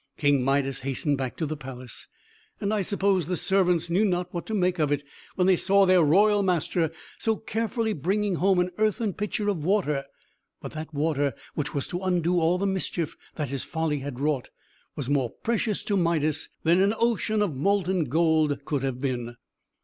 King Midas hastened back to the palace; and, I suppose, the servants knew not what to make of it when they saw their royal master so carefully bringing home an earthen pitcher of water. But that water, which was to undo all the mischief that his folly had wrought, was more precious to Midas than an ocean of molten gold could have been.